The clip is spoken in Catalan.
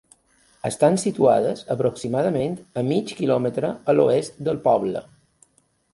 Estan situades aproximadament a mig quilòmetre a l’oest del poble.